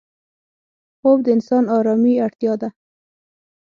خوب د انسان آرامي اړتیا ده